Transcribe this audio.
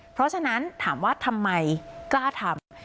เพราะฉะนั้นถามว่าทำไมกล้าทำ